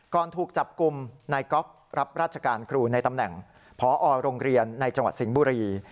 ถูกจับกลุ่มนายก๊อฟรับราชการครูในตำแหน่งพอโรงเรียนในจังหวัดสิงห์บุรี